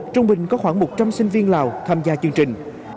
trung bình có khoảng một trăm linh sinh viên lào tham gia chương trình